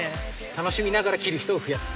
楽しみながら切る人を増やす。